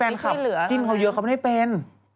เพราะว่ามีแฟนคับจิ้มเขาเยอะเขาไม่ได้เป็น